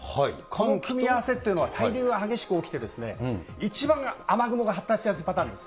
この組み合わせっていうのは、対流が激しく起きて、一番雨雲が発達しやすいパターンです。